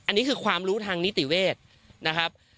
อันนี้คือความรู้ทางนิติเวศนะครับ